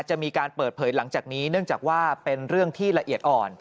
จะมีการเปิดเผยหลังจากนี้เนื่องจากว่าเป็นเรื่องที่ละเอียดอ่อน